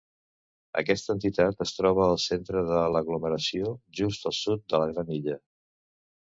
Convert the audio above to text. Aquesta entitat es troba al centre de l'aglomeració, just al sud de la Gran Illa.